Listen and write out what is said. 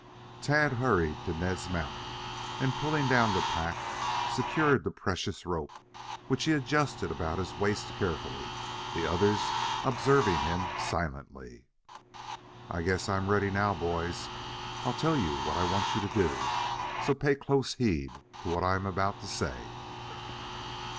Tad hurried to Ned's mount, and, pulling down the pack, secured the precious rope, which he adjusted about his waist carefully, the others observing him silently. "I guess I am ready now, boys. I'll tell you what I want you to do, so pay close heed to what I am about to say."